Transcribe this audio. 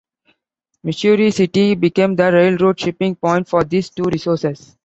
Missouri City became the railroad shipping point for these two resources.